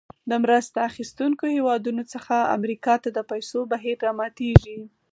د مرسته اخیستونکو هېوادونو څخه امریکا ته د پیسو بهیر راماتیږي.